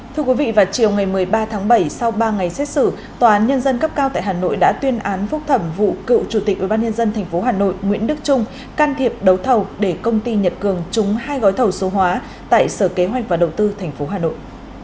thưa quý vị vào chiều ngày một mươi ba tháng bảy sau ba ngày xét xử tòa án nhân dân cấp cao tại hà nội đã tuyên án phúc thẩm vụ cựu chủ tịch ubnd tp hà nội nguyễn đức trung can thiệp đấu thầu để công ty nhật cường trúng hai gói thầu số hóa tại sở kế hoạch và đầu tư tp hà nội